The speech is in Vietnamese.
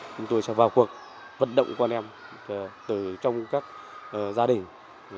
chúng tôi sẽ vào cuộc vận động con em từ trong các gia đình